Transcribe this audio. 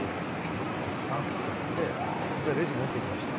３個買ってそれでレジ持っていきました。